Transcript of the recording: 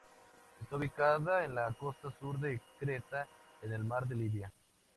Está ubicada en la costa sur de Creta, en el Mar de Libia.